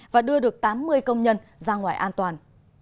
và đưa được tám mươi công nhân ra ngoài an toàn